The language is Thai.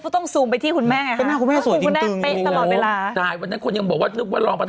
ต้องถามคุณแม่เพราะคุณแม่ไปหลายคลินิก